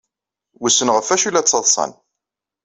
Wissen ɣef wacu ay la ttaḍsan.